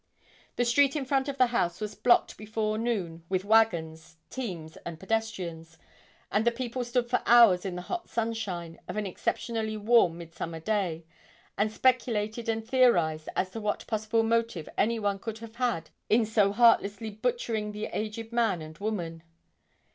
The street in front of the house was blocked before noon with wagons, teams and pedestrians, and the people stood for hours in the hot sunshine of an exceptionally warm midsummer day and speculated and theorized as to what possible motive any one could have had in so heartlessly butchering the aged man and woman.